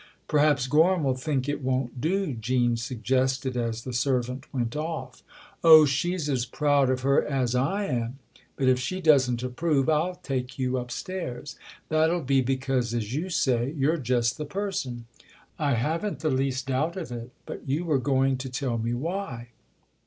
" Perhaps Gorham will think it won't do," Jean suggested as the servant went off. " Oh, she's as proud of her as I am ! But if she doesn't approve I'll take you upstairs. That'll be because, as you say you're just the person. I haven't the least doubt of it but you were going to tell me why."